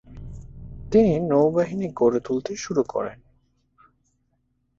তিনি নৌবাহিনী গড়ে তুলতে শুরু করেন।